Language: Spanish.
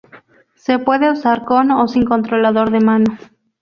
Se puede usar con o sin controlador de mano.